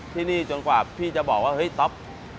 ที่นี่จนกว่าพี่จะบอกว่าเฮ้ยต๊อป